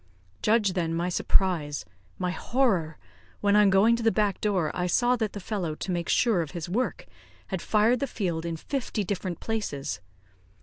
Judge then, my surprise, my horror, when, on going to the back door, I saw that the fellow, to make sure of his work, had fired the field in fifty different places.